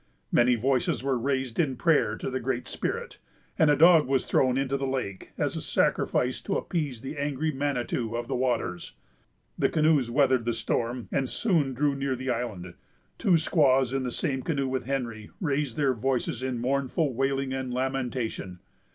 Many voices were raised in prayer to the Great Spirit, and a dog was thrown into the lake, as a sacrifice to appease the angry manitou of the waters. The canoes weathered the storm, and soon drew near the island. Two squaws, in the same canoe with Henry, raised their voices in mournful wailing and lamentation.